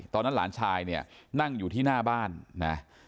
หลานชายเนี่ยนั่งอยู่ที่หน้าบ้านนะ